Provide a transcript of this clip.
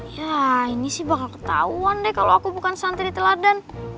ya ini sih bakal ketahuan deh kalau aku bukan santri di teladan